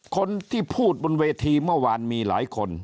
คนที่พูดบนเวทีเมื่อวานมีหลายคน